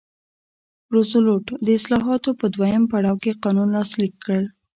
روزولټ د اصلاحاتو په دویم پړاو کې قانون لاسلیک کړ.